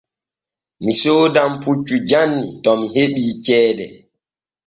Mi soodan puccu janni to mi heɓii ceede.